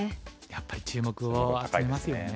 やっぱり注目を集めますよね。